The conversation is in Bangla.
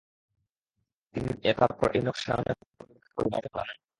তিনি তারপর এই নকশায় অনেক পরিবর্ধন ও পরিমার্জন আনেন।